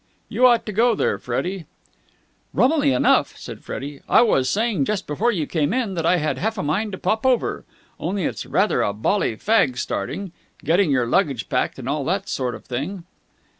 You ought to go there, Freddie." "Rummily enough," said Freddie, "I was saying just before you came in that I had half a mind to pop over. Only it's rather a bally fag, starting. Getting your luggage packed and all that sort of thing."